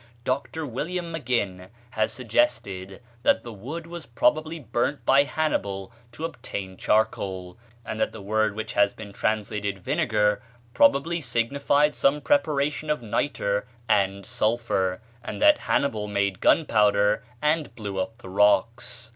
Dr. William Maginn has suggested that the wood was probably burnt by Hannibal to obtain charcoal; and the word which has been translated "vinegar" probably signified some preparation of nitre and sulphur, and that Hannibal made gunpowder and blew up the rocks.